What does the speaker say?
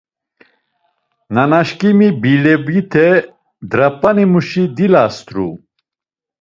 Nanaşǩimik bilevute darp̌animuşi dilast̆ru.